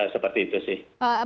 seperti itu sih